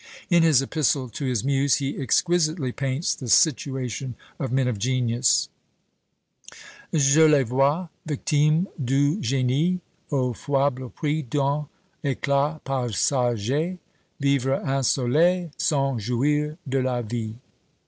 In his "Epistle to his Muse," he exquisitely paints the situation of men of genius: Je les vois, victimes du génie, Au foible prix d'un éclat passager, Vivre isolés, sans jouir de la vie!